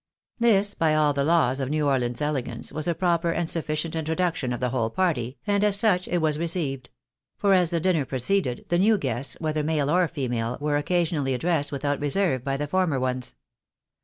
This, by all the laws of New Orleans elegance, was a proper and sufficient introduction of the whole party, and as such it waa received ; for as the dinner proceeded, the new guests, whether male or female, were occasionally addressed without reserve by the former ones.